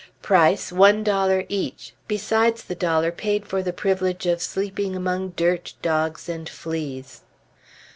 Price, one dollar each, besides the dollar paid for the privilege of sleeping among dirt, dogs, and fleas.